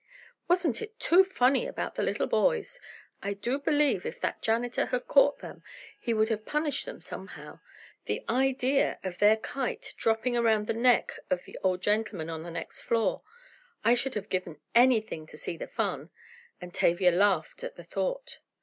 "Wasn't it too funny about the little boys? I do believe if that janitor had caught them he would have punished them somehow. The idea of their kite dropping around the neck of the old gentleman on the next floor! I should have given anything to see the fun," and Tavia laughed at the thought.